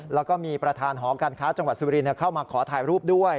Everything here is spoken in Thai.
แล้วก็มีประธานหอการค้าจังหวัดสุรินทร์เข้ามาขอถ่ายรูปด้วย